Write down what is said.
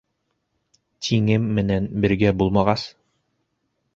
Тиңем менән бергә булмағас.